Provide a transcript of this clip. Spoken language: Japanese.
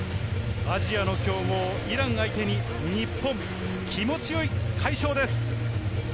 アジアの強豪イラン相手に日本、気持ち良い快勝です。